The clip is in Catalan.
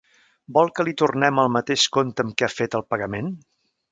Vol que li tornem al mateix compte amb què ha fet el pagament?